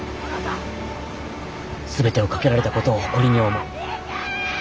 全てを懸けられたことを誇りに思う。